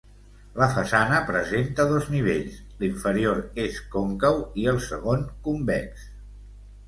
La façana presenta dos nivells, l'inferior és còncau i el segon convex.